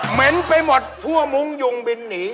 เห็นไปหมดทั่วมุ้งยุงบินหนี